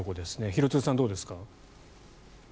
廣津留さん、どうですか？